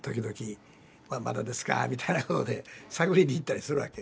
まだですかみたいなことで探りに行ったりするわけ。